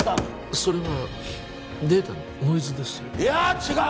それはデータのノイズですよいや違う！